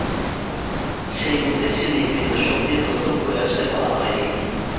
সেই উদ্দেশ্যে নিবৃত্তিশক্তির প্রথম প্রয়াসকে বলা হয় নীতি।